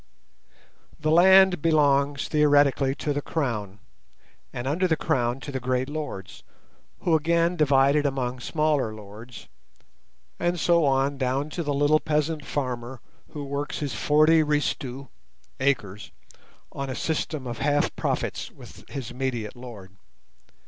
The land belongs theoretically to the Crown, and under the Crown to the great lords, who again divide it among smaller lords, and so on down to the little peasant farmer who works his forty "reestu" (acres) on a system of half profits with his immediate lord.